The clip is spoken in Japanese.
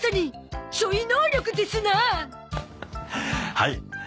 はい。